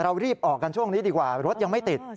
รีบออกกันช่วงนี้ดีกว่ารถยังไม่ติด